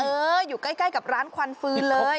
อยู่ใกล้กับร้านควันฟืนเลย